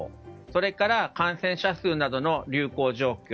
それから感染者数などの流行状況。